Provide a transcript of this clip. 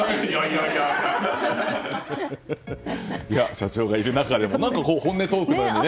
社長がいる中でも本音トークのようにね。